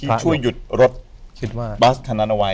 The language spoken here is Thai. ที่ช่วยหยุดรถบัสขนาดนาวัย